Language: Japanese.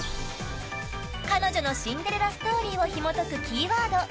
彼女のシンデレラストーリーをひも解くキーワード